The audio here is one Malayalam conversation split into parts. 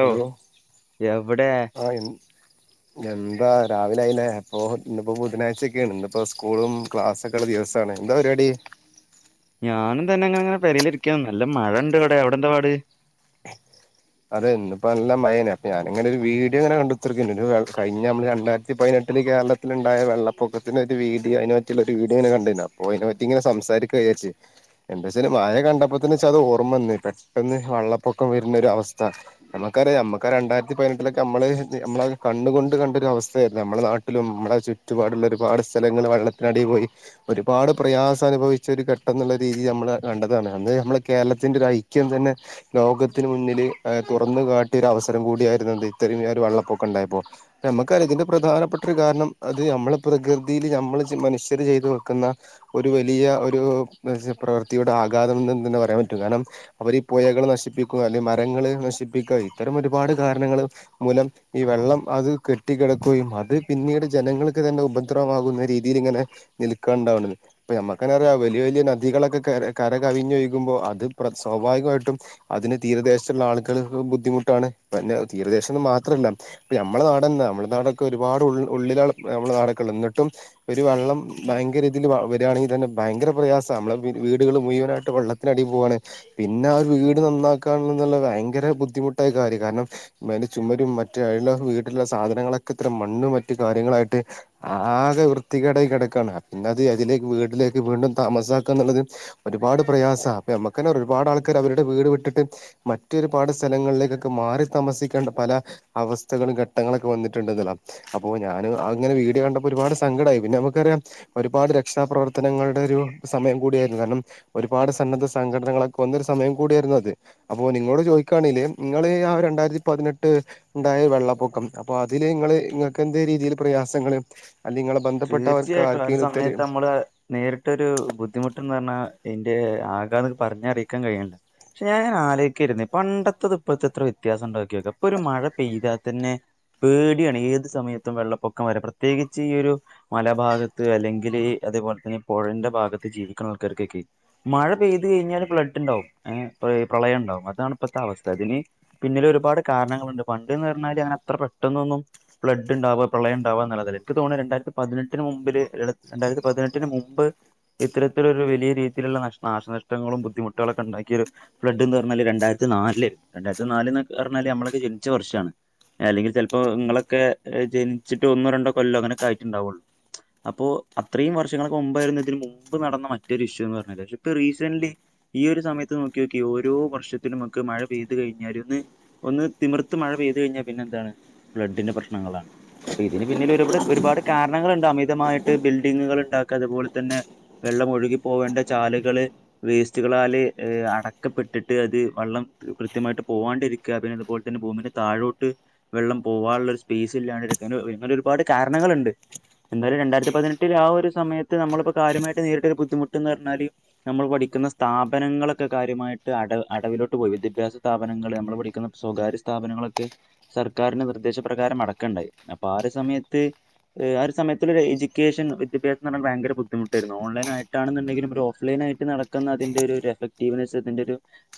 ഹലോ എവിടെ ആഹ് എന്താ രാവിലെയായിലെ അപ്പൊ ഇന്ന് ബുധനാഴ്ചക്കെയാണ് ഇന്നിപ്പോ സ്കൂളും ക്ലാസ്സൊക്കെ ഉള്ള ദിവസമാണ് എന്താ പരിപാടി ഞാനും തന്നെ അങ്ങനെങ്ങനെ പേരെലിരിക്ക നല്ല മഴ ഉണ്ട് ഇവിടെ അവിടെ എന്താ പാട് അത് തന്നെ ഇപ്പോ [unintelligible] ഞാനിങ്ങനെ ഒരു വീഡിയോ ഇങ്ങനെ കണ്ടുത്തിരിക്ക കഴിഞ്ഞ നമ്മള് രണ്ടായിരത്തി പതിനെട്ടില് കേരള ൽ ഉണ്ടായ വെള്ളപ്പൊക്കത്തിന്റെ ഒരു വീഡിയോ അതിന പറ്റിയുള്ള ഒരു വീഡിയോനെ കണ്ടിനു അപ്പോ അതിനെ പറ്റിങ്ങനെ സംസാരിക്കാന്ന് വിചാരിച് എന്താ വെച്ചാല് മഴ കണ്ടപ്പോത്തിന് വെച്ചാ അത് ഓർമ്മ വന്ന് പെട്ടെന്ന് വെള്ളപ്പൊക്കം വരുന്ന ഒരു അവസ്ഥ നമ്മുക്കറിയാം നമ്മുക്ക്‌ ആ രണ്ടായിരത്തി പതിനെട്ടിലൊക്കെ നമ്മള് നമ്മള് കണ്ണ് കൊണ്ട് കണ്ടൊരു അവസ്ഥയായിരുന്നു നമ്മുടെ നാട്ടിലും നമ്മളെ ച്ചു ചറ്റുപാടുള്ള ഒരുപാട് സ്ഥലങ്ങൾ വെള്ളത്തിനടിയിൽ പോയി ഒരുപാട് പ്രയാസം അനുഭവിച്ച ഒരു ഘട്ടം എന്നുള്ള രീതി നമ്മൾ കണ്ടതാണ് അത് നമ്മുടെ കേരളത്തിന്റെ ഒരു ഐക്യം തന്നെ ലോകത്തിന് മുന്നില് തുറന്ന കാട്ടിയ ഒരു അവസരം കൂടിയായിരുന്നു അത് ഇത്രയും ഒരു വെള്ളപ്പൊക്കം ഉണ്ടായപ്പോ നമ്മുക്കറിയാം ഇതിന്റെ പ്രധാനപ്പെട്ട ഒരു കാരണം അത് നമ്മള് പ്രകൃതിയിൽ നമ്മള് മനുഷ്യര് ചെയ്ത് വെക്കുന്ന ഒരു വലിയ ഒരു പ്രവൃത്തിയുടെ ആഘാതം എന്ന് തന്നെ പറയാൻ പറ്റും കാരണം അവര് ഈ പുഴകൾ നശിപ്പിക്കുക അല്ലെങ്കിൽ മരങ്ങള് നശിപ്പിക്കുക ഇത്തരം ഒരുപാട് കാരണങ്ങള് മൂലം ഈ വെള്ളം അത് കെട്ടി കിടക്കുകയും അത് പിന്നീട് ജനങ്ങൾക്ക് തന്നെ ഉപദ്രവമാകുന്ന രീതിയിൽ ഇങ്ങനെ നിൽക്കാണ്ടാവണ് ഇപ്പ നമ്മുക്ക് തന്നെ അറിയാം വലിയ വലിയ നദികളൊക്കെ ക കര കവിഞ്ഞ് ഒഴുകുമ്പോൾ അത് സ്വാഭാവികമായിട്ടും അതിന് തീരദേശത്തുള്ള ആളുകൾക്ക് ബുദ്ധിമുട്ടാണ് പിന്നെ തീരദേശന്ന് മാത്രല്ല നമ്മള നാട് തന്നെ നമ്മുടെ നാടൊക്കെ ഒരുപാട് ഉ ഉള്ളിലാണ് നമ്മുടെ നാടൊക്കെ ഉള്ള എന്നിട്ടും ഒരു വെള്ളം ഭയങ്കര രീതിയിൽ വരുവാണെങ്കിൽ തന്നെ ഭയങ്കര പ്രയാസ നമ്മളെ വീടുകൾ മുഴുവനായിട്ട് വെള്ളത്തി ത്തിടി പോവാണ് പിന്നെ ആ ഒരു വീട് നന്നാക്കാൻ എന്നുള്ള ഭയങ്കര ബുദ്ധിമുട്ടായ കാര്യ കാരണം മറ്റേ ചുമരും മറ്റേ [unintelligible] വീട്ടിലുള്ള സാധനങ്ങളൊക്കെ ഇത്ര മണ്ണും മറ്റു കാര്യങ്ങളായിട്ട് ആകെ വൃത്തികേട കിടക്കാണ് പിന്നെ അത് അതിലേക്ക് വീട്ടിലേക്ക് വീണ്ടും താമസാക്ക എന്നുള്ളത് ഒരുപാട് പ്രയാസ അപ്പ നമ്മക്ക് തന്നെ ഒരുപാട് ആൾക്കാർ അവരുടെ വീട് വിട്ടിട്ട് മറ്റരുപാട് സ്ഥലങ്ങളിലേക്കൊക്കെ മാറി താമസിക്കേണ്ട പല അവസ്ഥകളും ഘട്ടങ്ങളൊക്കെ വന്നിട്ടുണ്ട്ന്ന്ള്ളതാ അപ്പൊ ഞാൻ അങ്ങനെ വീട് കണ്ടപ്പോ ഒരുപാട് സങ്കടയി പിന്നെ നമുക്കറിയാം ഒരുപാട് രക്ഷാപ്രവർത്തനങ്ങളുടെ ഒരു സമയം കൂടിയായിരുന്നു കാരണം ഒരുപാട് സന്നദ്ധ സംഘടനകളൊക്കെ ഒന്നൊരു സമയം കൂടിയായിരുന്നു അത് അപ്പോ നിങ്ങളോട് ചോദിക്കുകയാണെല് നിങ്ങള് ആ രണ്ടായിരത്തി പതിനെട്ട് ഇണ്ടായ വെള്ളപ്പൊക്കം അപ്പൊ അതില് നിങ്ങള് നിങ്ങക്ക് എന്തേരീതിയിൽ പ്രയാസങ്ങള് അല്ല നികളെ ബന്ധപ്പെട്ടവർക്ക് ആർക്കെങ്കിലും ഇത്ര നേരിട്ടരു ബുദ്ധിമുട്ട്ന്ന് പർണ എന്റെ ആഘാതം പറഞ്ഞ അറിയിക്കാൻ കഴിയ പക്ഷെ ഞാ അലോയിക്കായിരുന്നു പണ്ടത്തത് ഇപ്പഴത്തെ എത്ര വ്യത്യാസം ഉണ്ടോക്കിയോക്കെ ഇപ്പൊ മഴ പെയ്താൽ തന്നെ പേടിയാണ് ഏത് സമയത്തും വെള്ളപ്പൊക്കം വര പ്രത്യേകിച്ച് ഈ ഒരു മല ഭാഗത്ത് അല്ലെങ്കിൽ അതേപോലെ തന്നെ പുഴന്റെ ഭാഗത്ത് ജീവിക്കുന്ന ആൾക്കാർക്കൊക്കെ മഴ പെയ്തു കഴിഞ്ഞാല് ഫ്ലഡ് ഉണ്ടാവും ഏ പ്രളയം ഉണ്ടാവും അതാണ് ഇപ്പഴത്തെ അവസ്ഥ ഇതിന് പിന്നില് ഒരുപാട് കാരണങ്ങള്ണ്ട് പണ്ട്ന്ന് പറഞ്ഞാല് അത്ര പെട്ടെന്നൊന്നും ഫ്ലഡ് ഇണ്ടാവ പ്രളയ ഉണ്ടാവാന്ന്ള്ളത് എനിക്ക് തൊണെ രണ്ടായിരത്തി പതിനെട്ടിന് മുമ്പില് രണ്ടായിരത്തി പതിനെട്ടിന് മുമ്പ് ഇത്തരത്തിലൊരു വലിയ രീതിയിലുള്ള നഷ്ട നാശനഷ്ടങ്ങളും ബുദ്ധിമുട്ടുകളോക്കെ ഉണ്ടാക്കിയൊരു ഫ്ലഡ് എന്ന് പറഞ്ഞാല് രണ്ടായിരത്തി നാല് രണ്ടായിരത്തി നാലല്ക്കെ പറഞ്ഞാല് നമ്മളൊക്കെ ജനിച്ച വർഷാണ് അല്ലെങ്കി ചിലപ്പോ ഇങ്ങളൊക്കെ ജനിച്ചിട്ട് ഒന്നും രണ്ടോ കൊല്ലോ അങ്ങനൊക്കെ ആയിട്ടുണ്ടാവുള്ളൂ അപ്പോ അത്രയും വർഷങ്ളൊക്കെ മുമ്പായിരുന്നതിന് മുമ്പ് നടന്ന മറ്റൊരു ഇഷ്യു എന്ന് പറഞ്ഞ പക്ഷെ ഇപ്പ റീസെന്റ്ലി ഈയരു സമയത്ത് നോക്കി നോക്കി ഓരോ വർഷത്തിലനും നമുക്ക് മഴ പെയ്ത് കഴിഞ്ഞാല ഒന്ന് ഒന്ന് തിമർത്ത് മഴ പെയ്തു കഴിഞ്ഞാ പിന്നെ എന്താണ് ഫ്ലഡിന്റെ പ്രശ്നങ്ങളാണ് അപ്പൊ ഇതിന് പിന്നിൽ ഒരുപാട് ഒരുപാട് കാരണങ്ങുണ്ട് അമിതമായിട്ട് ബിൽഡിങ്ങുകൾ ഉണ്ടാക്ക അതുപോലെ തന്നെ വെള്ളം ഒഴുകി പോകേണ്ട ചാലുകള് വേസ്റ്റുകളാല് അടക്കപ്പെട്ടിട്ട് അത് വെള്ളം കൃത്യമായിട്ട് പോവാണ്ടിരിക്കും ക്കാതെ തുപോലെ തെ ഭൂമിന്റെ താഴോട്ട് വെള്ളം പോകാനുള്ള ഒരു സ്പേസ് ഇല്ലാണ്ട്ന അങ്ങനെ ഒരുപാട് കാരണങ്ങള്ണ്ട് എന്തായാലും രണ്ടായിരത്തി പതിനെട്ടില ആ ഒരു സമയത്ത് നമ്മളിപ്പോ കാര്യമായി നേരിട്ടൊ ഒരു ബുദ്ധിമുട്ട് എന്ന് പറഞ്ഞാല് നമ്മൾ പഠിക്കുന്ന സ്ഥാപനങ്ങളൊക്കെ കാര്യമായിട്ട് അട അടവിലോട്ട് പോയി വിദ്യാഭ്യാസ സ്ഥാപനങ്ങള് നമ്മൾ പഠിക്കുന്ന സ്വകാര്യ സ്ഥാപനങ്ങളൊക്കെ സർക്കാരിന്റെ നിർദ്ദേശപ്രകാരം അടക്കണ്ടായി അപ്പൊ ആ ഒരു സമയത്ത് ആ ഒരു സയൊ ഒരു എഡ്യക്കേഷൻ വിദ്യാഭ്യാസം പറാൻ ഭയങ്ക ബദ്ധിമുട്ടായിരുന്നു ഓലൈനായിയിട്ടണെന്നുണ്ടെങ്കും അവര് ഓഫ്ലൈനായിട്ട് നട പക്കുന്ന അതിന്റെ ഒരു എഫക്ടീവ്നെസ് അതിന്റെ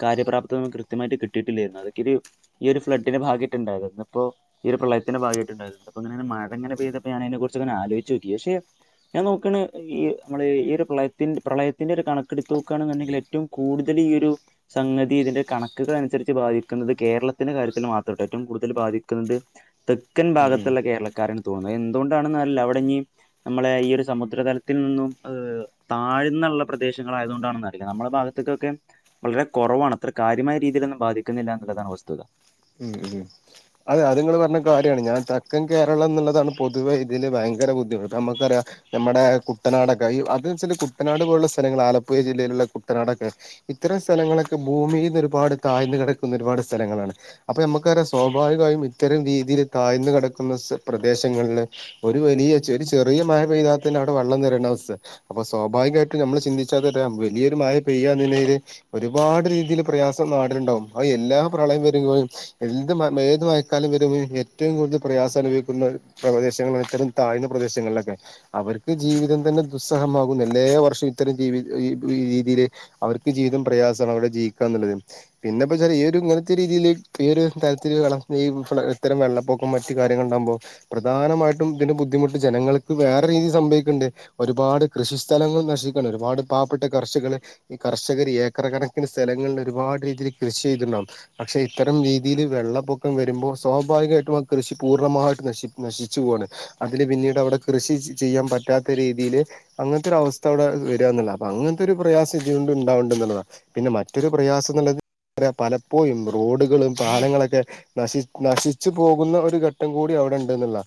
കാര്പ്രാപ്തം കൃത്യമായിട്ട് കട്ടയിട്ടില്ലായിരുന്നു അതൊക്കൊ ഒരു ഈ ഒരു ഫ്ളഡിന്റൊഗമായിട്ടുണ്ടായി ഇപ്പോ ഈ ഒരു പ്രളയത്തിൻറെഭാഗയിട്ട് ഭാഗമായിട്ടുണ്ട് അങ്ങനെ മഴ ഇങ്ങനെ പെയ്തപ്പോ അപ്പം ഞാൻ അയിനെക്കുറിച്ച് ആലോചിച്ചുനോക്കി പക്ഷേ ഞാൻ നോക്കണ് ഈ നമ്മള് ഈ ഒരു പ്രളയത്തി പ്രളയത്തിന്റെ ഒരു കണക്കെടുത്ത് നോക്കുകയാണെന്നുണ്ടെങ്കില് ഏറ്റവും കൂടുതൽ ഈ ഒരു സംഗതി ഇതിന്റെ കണക്കുകൾ അനുസരിച്ച് ബാധിക്കുന്നത് കേരളത്തിന്റെ കാര്യത്തിൽ മാത്രല്ല ഏറ്റവും കൂടുതൽ ബാധിക്കുന്നത് തെക്കൻ ഭാഗത്തുള്ള കേരളക്കാരാണ് തോന്നുന്നത് എന്തുകൊണ്ടാണന്നറില്ല അവിടെ ഇനി നമ്മളെ ഈ ഒരു സമുദ്ര തലത്തിൽ നിന്നും താഴ്ന്നുള്ള പ്രദേശങ്ങളയതുകണ്ടാണെന്ന് അറിയിാം നമ്മളുടെ ഭാഗത്തേക്കൊക്കെ വളരെ കുറവാണ് അത്ര കാര്യമായ രീതിയിലൊന്നും ബാധിക്കുന്നില്ല എന്നുള്ളതാണ് വസ്തുത ഉം ഉം അതെ അത്ങ്ങൾ പറഞ്ഞ കാര്യാണ് ഞാൻ തെക്കൻ കേരളം എന്നുള്ളതാണ് പൊതുവ ഇതിന് ഭയങ്കര ബുദ്ധിമുട്ട് നമുക്ക ഞമ്മടെ കുട്ടനാടക്കെ ഈ അത് ച്ചാല് കുട്ടനാട് പോലുള്ള സ്ഥലങ്ങള് ആലപ്പുയ ജില്ലയിലുള്ള കുട്ടനാടൊക്കെ ഇത്തരം സ്ഥലങ്ങളൊക്കെ ഭൂമീന്നൊരുപാട് താഴ്ന്ന് കെടക്കുന്ന ഒരുപാട് സ്ഥലങ്ങളാണ് അപ്പൊ ഞമ്മക്കറിയ സ്വാഭാവികമായും ഇത്തരം രീതീല് താഴ്ന്ന് കെടക്കുന്ന സ് പ്രദേശങ്ങളില് ഒരു വലിയ ച് ഒരു ചെറിയ മയ പെയ്താൽ തന്നെ അവിടെ വെള്ളം നിറയുന്ന അവസ്ഥ അപ്പൊ സ്വാഭാവികായിട്ടും അമ്മള് ചിന്തിച്ചാ വലിയൊരു മയ പെയ്യാ [unintelligible] ഒരുപാട് രീതീല് പ്രയാസം നാടിലുണ്ടാവും അ എല്ലാ പ്രളയം വരുകയും എന്ത് മ ഏതു മയക്കാലം വരുമ്പോഴും ഏറ്റവും കൂടല് പ്രയാസം അനുഭവിക്കുന്നത് പ്രദേശങ്ങള് ഇത്തരം താഴ്ന്ന പ്രദേശങ്ങളിലൊക്കെ അവർക്ക് ജീവിതം തന്നെ ദുസ്സഹമാകുന്നു എല്ലേ വർഷം ഇത്തരം ജീവി ഈ രീതീല് അവർക്ക് ജീതം പ്രയാസാണ് അവിടെ ജീവിക്കാന്ന്ള്ളത് പിന്നെപ്പ [unintelligible] ഒരു ഇങ്ങനത്തെ രീതീല് ഈ ഒരു തരലത്തില് വെള്ളം ഇത്തരം വെള്ളപ്പൊക്ക മറ്റ് കാര്യങ്ങള്ണ്ടാവുമ്പോ പ്രധാനമായിട്ടും ഇതിന്റെ ബുദ്ധിമുട്ട് ജനങ്ങൾക്ക് വേറെ രീതിയിൽ സംഭവിക്കണ്ടേ ഒരുപാട് കൃഷി സ്ഥലങ്ങൾ നശിക്കണ് ഒരുപാട് പാവപ്പെട്ട കർഷകള് ഈ കർഷകര് ഏക്കറ് കണക്കിന് സ്ഥലങ്ങളിൽ ഒരുപാട് രീതിയിൽ കൃഷി ചെയ്തിണ്ടാവും പക്ഷെ ഇത്തരം രീതീല് വെള്ളപ്പൊക്കം വരുമ്പോ സ്വാഭാവികായിട്ടും ആ കൃഷി പൂർണ്ണമായിട്ട് നശി നശിച്ചു പോയാണ് അതില് പിന്നീടവിടെ കൃഷി ചെയ്യാൻ പറ്റാത്ത രീതിയില് അങ്ങത്തെരവസ്ഥ അവിടെ വരാന്നൊള്ള അപ്പൊ അങ്ങനത്തൊരു പ്രയാസം ഇതുകൊണ്ട് ഉണ്ടാവണ്ടെന്നൊള്ളതാണ് പിന്നെ മറ്റൊരു പ്രയാസന്നൊള്ള പലപ്പോഴും റോഡുകളും പാലങ്ങളൊക്കെ നശി നശിച്ചു പോകുന്ന ഒരു ഘട്ടം കൂടി അവിടെണ്ടെന്നുള്ള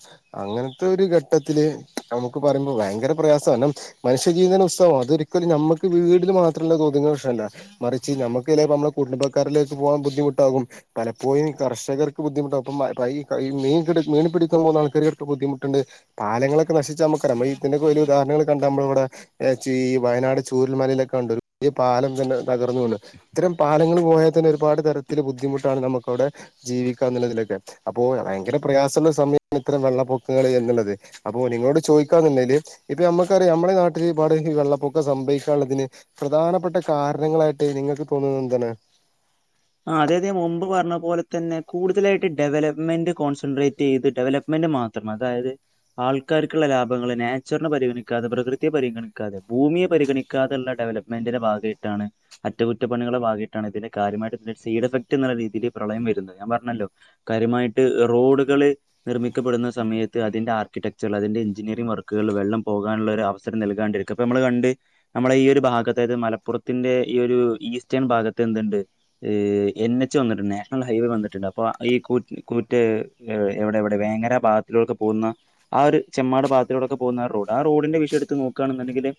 അങ്ങനത്തെ ഒര് ഘട്ടത്തില് നമുക്ക് പറയുമ്പോ ഭയങ്കര പ്രയാസാനും മനുഷ്യജീവതന് [unintelligible] അതൊരിക്കലും ഞമ്മുക്ക് വീടില് മാത്രല്ല തൊതുങ്ങുന്ന പ്രശ്നമല്ല മറിച്ച് നമുക്ക് നമ്മളെ കുടുംബക്കാരിലേക്ക് പോവാൻ ബുദ്ധിമുട്ടാകും പലപ്പോഴും ഈ കർഷകർക്ക് ബുദ്ധിമുട്ടാവു പ്പംമ പ്പയീ മീൻ പിടി മീനെ പിടിക്കാൻ പോന്ന ആൾക്കാര്ക്ക് ബുദ്ധിമുട്ടുണ്ട് പാലങ്ങളൊക്കെ നശിച്ചാമുക്കറിയ നമ്മളീതിന്റെക്കൊരുഹരണങ്ങള് കണ്ടമ്മളിവിടെ ഏച്ചീവയനാട് ചൂരൽ മലയിലൊക്കെ ഉണ്ടരുപുതിയ പാലം തന്നെ തകർന്നു വീണ് ഇത്തരം പാലങ്ങള് പോയാ തന്നെ ഒരുപാട് തരത്തില് ബുദ്ധിമുട്ടാണ് നമുക്കവിടെ ജീവിക്കാന്നുള്ളതിലൊക്കെ അപ്പോ ഭയങ്കര പ്രയാസള്ള സമയമാണ് ഇത്രം വെള്ളപ്പൊക്കങ്ങള് എന്ന്ള്ളത് അപ്പൊ നിങ്ങളോട് ചോദിക്കാന്നുണ്ടേല് ഇപ്പൊ ഞമ്മക്കറിയാം അമ്മളെ നാട്ടിലൊരുപാട് ഈ വെള്ളപ്പൊക്കം സംഭവിക്കാള്ളതിന് പ്രധാനപ്പെട്ട കാരണങ്ങളായിട്ട് നിങ്ങക്ക് തോന്നുന്നന്താണ് ആഹ് അതെതെ മുമ്പ് പറഞ്ഞപോലെത്തന്നെ കൂടുതലായിട്ട് ഡെവലപ്മെന്റ് കോൺസെൻട്രേറ്റ് ചെയ്ത് ഡെവലപ്പ് മെന്റ് മാത്രം അതായത് ആൾക്കാര്ക്കുള്ള ലാഭങ്ങള് നാച്ചുറനെ പരിഗണിക്കാതെ പ്രകൃതിയെ പരിഗണിക്കാതെ ഭൂമിയെ പരിഗണി ക്കാതെള്ള ഡെവലപ്മെന്റിന്റെ ഭാഗേയിട്ടാണ് അറ്റകുറ്റപ്പണികളെ ഭാഗേയിട്ടാണ് ഇതിന്റെ കാര്യമായിട്ട് സൈഡ് എഫക്റ്റ് എന്നുള്ള രീതില് പ്രളയം വരുന്നത് ഞാൻ പറഞ്ഞല്ലോ കാര്യമായിട്ട് റോഡുകള് നിർമ്മിക്കപ്പെടുന്ന സമയത്ത് അതിന്റെ ആർക്കിടെക്ച്ചറൽ അതിന്റെ എഞ്ചിനീയറിംഗ് വർക്ക്കള് വെള്ളം പോകാള്ളൊരു അവസരം നൽകാണ്ടിരിക്ക ക്കപ്പമ്മള് കണ്ട് നമ്മളെ ഈയൊരു ഭാഗത്തായത് മലപ്പുറത്തിന്റെ ഈയൊരു ഈസ്റ്റേൺ ഭാഗത്തെന്ത്ണ്ട് എന്നെച്ച് വന്നിട്ടുണ്ട് നാഷണൽ ഹൈവേ വന്നിട്ടുണ്ട് അപ്പൊ ഈ കൂ കൂറ്റ് എവിടെയെവിടെ വേങ്ങര ഭാഗത്തിലൂടൊക്കെ പോകുന്ന ആ ഒരു ചെമ്മാട് ഭാഗത്തിലൂടൊക്കെ പോകുന്ന ആ റോഡ് ആ റോഡിന്റെ വിഷയെടുത്ത് നോക്കാണെന്നുണ്ടെങ്കില്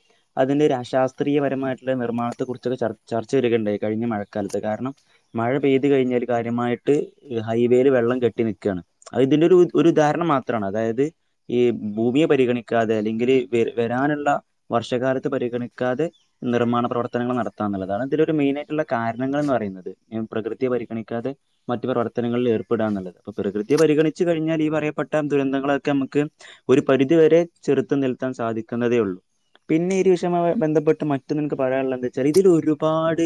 അതിന്റെ ഒര് അശാസ്ത്രീയപരമായിട്ടുള്ള നിർമ്മാണത്തെ കുറിച്ചൊക്കെ ചർ ചർച്ച വരികയുണ്ടായി കഴിഞ്ഞ മഴക്കാലത്ത് കാരണം മഴ പെയ്ത് കഴിഞ്ഞാല് കാര്യമായിട്ട് ഹൈവേയില് വെള്ളം കെട്ടി നിക്കാണ് അത് ഇതിന്റെ ഒരു ഒരു ഉദാഹരണം മാത്രാണ് അതായത് ഈ ഭൂമിയെ പരിഗണിക്കാതെ അല്ലെങ്കില് വെര് വെരാനുള്ള വർഷകാലത്തെ പരിഗണിക്കാതെ നിർമ്മാണ പ്രവർത്തനങ്ങള് നടത്താന്ന്ള്ളതാണ് ഇതിലൊരു മെയിനായിട്ടുള്ള കാരണങ്ങള്ന്ന് പറയുന്നത് ഞാൻ പ്രകൃതിയെ പരിഗണിക്കാതെ മറ്റു പ്രവർത്തനങ്ങളിൽ ഏർപ്പെടാന്നുള്ളത് അപ്പൊ പ്രകൃതിയെ പരിഗണിച്ചു കഴിഞ്ഞാൽ ഈ പറയപ്പെട്ട ദുരന്തങ്ങളൊക്കെ അമ്മക്ക് ഒരു പരിധിവരെ ചെറുത്ത് നിൽത്താൻ സാധിക്കുന്നതേയൂള്ളൂ പിന്നെ ഈ ഒരു വിഷയമായി ബന്ധപ്പെട്ട് മറ്റൊന്ന് എനക്ക് പറയാനുള്ളതെന്താച്ചാല് ഇതിലൊരുപാട്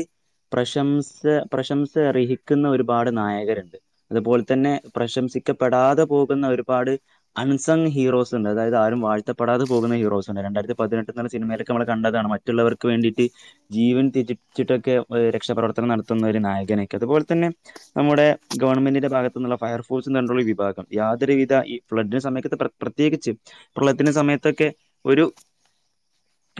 പ്രശംസ പ്രശംസയർഹിക്കുന്ന ഒരുപാട് നായകര്ണ്ട് അതുപോൽത്തന്നെ പ്രശംസിക്കപ്പെടാതെ പോകുന്ന ഒരുപാട് അൺസങ് ഹീറോസ്ണ്ട് അതായത് ആരും വാഴ്ത്തപ്പെടാതെ പോകുന്ന ഹീറോസ്ണ്ട് രണ്ടായിത്തി പതിനെട്ട് എന്നുള്ള സിനിമയിലൊക്കെ നമ്മള് കണ്ടതാണ് മ മറ്റുള്ളവർക്ക് വേണ്ടിട്ട് ജീവൻ ത്യജിച്ചിട്ടൊക്കെ രക്ഷാപ്രവർത്തന നട ത്ത്ന്നൊരു നായകനൊക്കെ അതുപോൽത്തന്നെ നമ്മുടെ ഗവൺമെന്റിന്റെ ഭാഗത്ത്ന്ന്ള്ള ഫയർഫോഴ്സ്ന്നർഞ്ഞിട്ടുള്ള വിഭാഗം യാതൊരു വിധ ഈ ഫ്ലഡിന്റെ സയക്കത്ത് പ്ര പ്രത്യേകിച്ചും പ്രളയത്തിന്റെ സമയത്തൊക്കെ ഒരു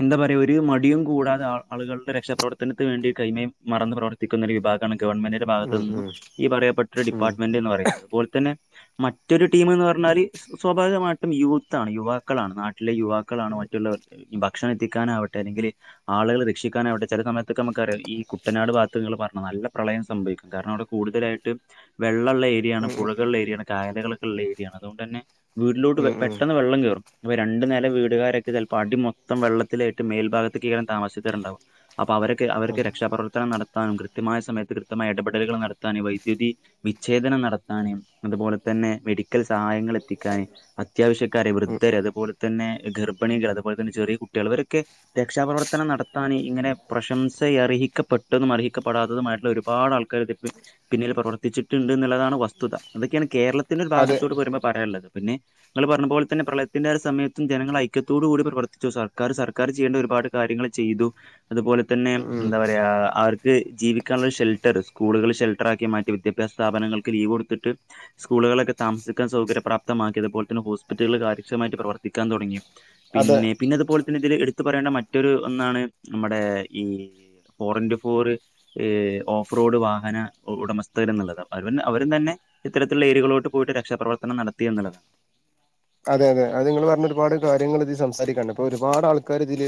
എന്താ പറയാ ഒരു മടിയും കൂടാതെ ആ ആളുകളുടെ രക്ഷാപ്രവർത്തനത്തിനുവേണ്ടി കൈമെയ് മറന്ന് പ്രവർ ത്തിക്കുന്ന ഒരു വിഭാഗാണ് ഗവൺമെന്റിന്റെ ഉം ഭാഗത്ത്നിന്നും ഈ പറയപ്പെട്ട ഒരു ഉം ഡിപ്പാർട്ട്മെന്റ് എന്ന് പറയുന്നത് അത്പോൽത്തന്നെ മറ്റൊരു ടീമ്ന്ന് പറഞ്ഞാല് സ്വാഭാവികമായിട്ടും യൂത്താണ് യുവാക്കളാണ് നാട്ടിലെ യുവാക്കളാണ് മറ്റുള്ളവർക്ക്‌ ഈ ഭക്ഷണം എത്തിക്കാനാവട്ടെ അല്ലെങ്കില് ആള്കളെ രക്ഷിക്കാനാവട്ടെ ചെല സമയത്തൊക്കമ്മക്കറിയാ ഈ കുട്ടനാട് ഭാ ത്ത് ഇങ്ങള് പർണം നല്ല പ്രളയം സംഭവിക്കും കാരണം അവിടെ കൂടുതലായിട്ട് വെള്ളള്ള ഏരിയാണ് ഉം പുഴകള് ള്ള ഏരിയാണ് കായല്കള്ക്കെള്ള ഏരിയാണ് അതോണ്ടെന്നെ വീട്ടിലോട്ട് വേ ഉം ഉം പെട്ടെന്ന് വെള്ളം കേറും അപ്പൊ രണ്ടുനെല വീടുകാരൊക്കെ ചെൽപ്പൊ അടിമൊത്തം വെള്ളത്തിലായിട്ട് മേൽഭാഗത്ത്ക്കേക്കാരം താമസിച്ച്ട്ടെര്ണ്ടാവാ അപ്പൊ അവരൊക്കെ ഉം അവര്ക്കെ രക്ഷാപ്രവർത്തനം നടത്താനും കൃത്യമായ സമയത്ത് കൃത്യമായ ഇടപെടലുകൾ നടത്താനും ഈ വൈദ്യുതി വിച്ഛേദനം നടത്താന് അതുപോലെത്തന്നെ മെഡിക്കൽ സഹായങ്ങൾ എത്തിക്കാന് അത്യാവശ്യക്കാര്, ഉം ഉം വൃദ്ധര് അതുപോലെത്തന്നെ ഗർഭിണികൾ, അതുപോലെത്തന്നെ ചെറിയ കുട്ട്യാള് ഇവരൊക്കെ രക്ഷാപ്രവർത്തനം നടത്താന് ഇങ്ങനെ പ്രശംസയർഹിക്കപ്പെ ട്ടതും അർഹിക്കപ്പെടാത്തതുമായിട്ടുള്ള ഒരുപാട് ആൾക്കാര്ണ്ട് പ്പെ പിന്നില് പ്രവർത്തിച്ചിട്ട്ണ്ട്ന്ന്ള്ളതാണ് വസ്തുത അതൊക്കെയാണ് കേരളത്തിന്റെ ഒരു അതെ ഭാഗത്തോട്ട് വരുമ്പോപറയാള്ളത് പിന്നെ ങ്ങൾ പറഞ്ഞ പോലെത്തന്നെ പ്രളയത്തിന്റെരു സമയത്തും ജനങ്ങൾ ഐക്യത്തോടുകൂടി പ്രവർത്തിച്ചു സർക്കർ സർക്കാർ ചെയ്യേണ്ട ഒരുപാട് കാര്യങ്ങൾ ചെയ്തു അതുപോലെത്തന്നെ ഉം ഉം എന്താ പറയാ ആർക്ക് ജീവിക്കാനുള്ള ഷെൽട്ടർ സ്കൂളുകൾ ഷെൽട്ടറാക്കി മാറ്റി വിദ്യാഭ്യാസ സ്ഥാപനങ്ങൾക്ക് ലീവ് കൊട്ത്തിട്ട് സ്കൂളുകളൊക്കെ താമസിക്കാൻ സൗകര്യ പ്രാപ്മാക്കിയതുപോലെ തന്നെ ഹോസ്പിറ്റലുകൾ കാര്യക്ഷമായിട്ട് പ്രവർത്തിക്കാൻ തൊടങ്ങി അതെ പിന്നെ പിന്നെ അതുപോലെ തന്നെ ഇതിൽ എടുത്ത പറയേണ്ട മറ്റൊരു ഒന്നാണ് നമ്മടെ ഈ ഫോറന്റു ഫോറ് ഓഫ് റോഡ് വാഹന ഉടമസ്ഥകര്ന്ന്ള്ളത് അപ്പ അവ അവരും തന്നെ ഇത്തരത്തിലുള്ള ഏരിയകളോട്ട് പോയിട്ട് രക്ഷാപ്രവർത്തനം നടത്തിയെന്ന്ള്ളതാണ് അതെ അതെ അത് ഇങ്ങൾ പറഞ്ഞ ഒരുപാട് കാര്യങ്ങൾ ഇതീ സംസാരിക്കാണ്ണ്ട് അപ്പൊ ഒരുപാട് ആൾക്കാര് ഇതില്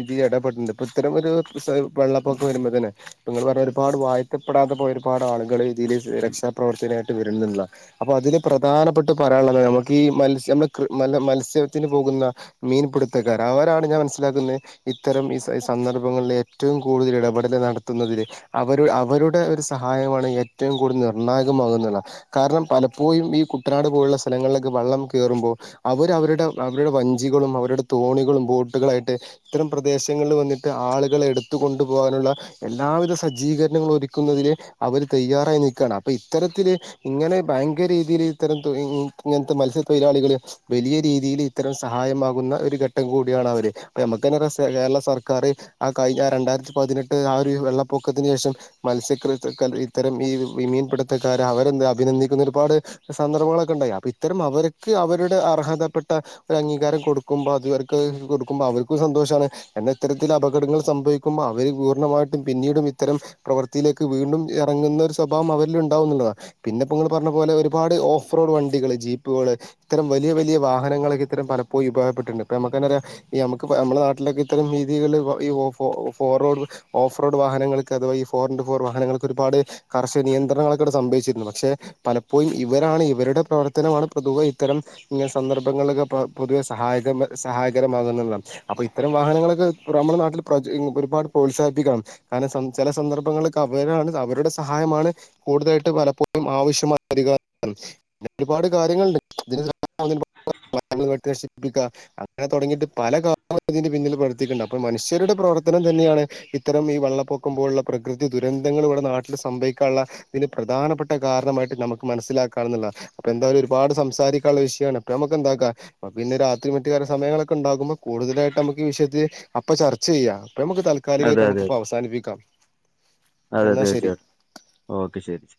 ഇതി ഇടപെട്ണ്ട് പ്പൊ ഇത്തരം ഒരു സ വെള്ളപ്പൊക്കം വരുമ്പെത്തിന് പ്പങ്ങൾ പറഞ്ഞ ഒരുപാട് വായിത്തപ്പെടാതെ പോയ ഒരുപാട് ആളുകൾ ഇതില് രക്ഷാപ്രവർത്തനായിട്ട് വെര്ന്ന്ള്ളാ അപ്പൊ അതില് പ്രധാനപ്പെട്ട് പറയാള്ളത് ഞമ്മക്കീ മത്സ്യ നമ്മള് കൃ മ മത്സ്യത്തിന് പോകുന്ന മീൻപിടുത്തക്കാര് അവരാണ് ഞാൻ മനസ്സിലാക്ക്‌ന്നേ ഇത്തരം ഈ സന്ദർഭങ്ങൾള് ഏറ്റവും കൂടുതൽ ഇടപെടൽ നടത്തുന്നതിന് അവരു അവരുടെ ഒരു സഹായമാണ് ഏറ്റവും കൂടുതൽ നിർണ്ണായകമാക്ന്ന്ള്ളാ കാരണം പലപ്പോഴും ഈ കുട്ടനാട് പോലുള്ള സ്ഥലങ്ങളിലൊക്കെ വള്ളം കേറുമ്പോ അവര് അവരുടെ അവരുടെ വഞ്ചികളും അവരുടെ തോണികളും ബോട്ടുകളായിട്ട് ഇത്തരം പ്രദേശങ്ങൾള് വന്നിട്ട് ആളുകളെ എട്ത്ത്കൊണ്ടു പോകാനുള്ള എല്ലാവിധ സജ്ജീകരണങ്ങളും ഒരുക്കുന്നതില് അവര് തെയ്യാറായി നിക്കാണ് അപ്പൊ ഇത്തരത്തില് ഇങ്ങനെ ഭയങ്കര രീതിയിൽ ഇത്തരം തൊഴി ഇങ്ങനത്തെ മത്സ്യത്തൊഴിലാളികള് വലിയ രീതിയിൽ ഇത്തരം സഹായമാകുന്ന ഒരു ഘട്ടം കൂടിയാണ് അവര് അപ്പ നമ്മുക്ക് തന്നെ [unintelligible] കേരള സർക്കാർ ആ കഴിഞ്ഞ രണ്ടായിരത്തി പതിനെട്ട് ആ ഒരു വെള്ളപ്പൊക്കത്തിന് ശേഷം മത്സ്യകൃത് ഇത്തരം ഈ വിമീൻപിടുത്തക്കാരെ അവരെന്താ അഭിനന്ദിക്കുന്ന ഒരുപാട് സന്ദർഭങ്ങളൊക്കെ ഉണ്ടായി അപ്പൊ ഇത്തരം അവർക്ക് അവരുടെ അർഹതപ്പെട്ട ഒരു അംഗീകാരം കൊടുക്കുമ്പോ അതുവർക്ക് കൊടുക്കുമ്പോ അവർക്കും സന്തോഷാണ് എന്ന ഇത്തരത്തിൽ അപകടങ്ങൾ സംഭവിക്കുമ്പോൾ അവര് പൂർണ്ണമായിട്ടും പിന്നീടും ഇത്തരം പ്രവൃത്തിയിലേക്ക് വീണ്ടും എറങ്ങുന്ന ഒരു സ്വഭാവം അവരില്ണ്ടാവുന്നുള്ളതാണ് പിന്നെ ഇപ്പോ നിങ്ങൾ പറഞ്ഞ പോലെ ഒരുപാട് ഓഫ് റോഡ് വണ്ടികള് ജീപ്പുകള് ഇത്തരം വലിയ വലിയ വാഹനങ്ങളൊക്ക ഇത്തരം പലപ്പോഴും പ്രയോഗപ്പെട്ടിട്ടുണ്ട് ഇപ്പ നമുക്കന്നറിയാ ഈ നമുക്ക് നമ്മുടെ നാട്ടിലൊക്കെ ഇത്തരം രീതികള് ഈ ഫോ ഫോറോർവ് ഓഫ് റോഡ് വാഹനങ്ങൾക്ക് അഥവാ ഫോർ ഇന്ടു ഫോർ വാഹനങ്ങൾക്ക് ഒരുപാട് കർഷക നിയന്ത്രണങ്ങളോക്കെ ഇവിടെ സംഭവിച്ചിരുന്നു പക്ഷെ പലപ്പോഴും ഇവരാണ് ഇവരുടെ പ്രവർത്തനമാണ് പൊതുവെയും ഇത്തരം ങ്ങനെ സന്ദർഭങ്ങളൊക്കെ പൊതുവെ സഹായക സഹായകരമാകുന്നുള്ളതാണ് അപ്പൊ ഇത്തരം വാഹനങ്ങളൊക്കെ പ്ര നമ്മുടെ നാട്ടിൽ പ്ര ഒരുപാട് പ്രോത്സാഹിപ്പിക്കാണ് കാരണം സം ചെല സന്ദർഭങ്ങള്ക് അവരാണ് അവരുടെ സഹായമാണ് കൂടുതലായിട്ട് പലപ്പോഴും ആവശ്യമായി വരിക [unintelligible] പിന്നെ ഒരുപാട് കാര്യങ്ങള്ണ്ട് ഇതിന് [unintelligible] ബിക അങ്ങനെ തുടങ്ങിയിട്ട് പല [unintelligible] ഇതിന്റെ പിന്നിൽ പ്രർത്തിക്കണ്ട് അപ്പോൾ മനുഷ്യരുടെ പ്രവർത്തനം തന്നെയാണ് ഇത്തരം ഈ വെള്ളപ്പൊക്കം പോലുള്ള പ്രകൃതി ദുരന്തങ്ങൾ ഇവിടെ നാട്ടിൽ സംഭവിക്കാനുള്ള ഇതിന് പ്രധാനപ്പെട്ട കാരണമായിട്ട് നമുക്ക് മനസ്സിലാക്കാന്നുള്ളതാണ് അപ്പൊ എന്തായാലും ഒരുപാട് സം സാരിക്കാള്ള വിഷയമാണ് നമുക്കെന്താക്ക അപ്പ പിന്നെ രാത്രി മറ്റ് കര്യ സമയങ്ങളൊക്കെ ഇണ്ടാകുമ്പോ കൂടുതലായിട്ട് നമുക്ക് ഈ വിഷയത്തില് അപ്പൊ ചർച്ച ചെയ്യാം അപ്പ നമുക്ക് അതെ താല്ക്കാലികമായിട്ട് അതെ നമുക്കിപ്പൊ അതെ അവസാനിപ്പിക്കാം അതെ എന്നാ ശരി തീർച്ചയായിട്ടും ഓക്കെ ശരി